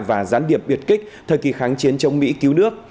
và gián điệp biệt kích thời kỳ kháng chiến chống mỹ cứu nước